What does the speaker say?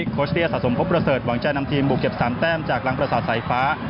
โคชเตี้ยสะสมพบประเสริฐหวังจะนำทีมบุกเก็บ๓แต้มจากรังประสาทสายฟ้า